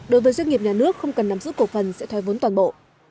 đối với doanh nghiệp nhà nước không cần nắm giữ cổ phần sẽ thoai vốn toàn bộ